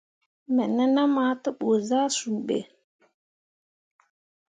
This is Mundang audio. Me nenum ah te ɓu zah suu ɓe.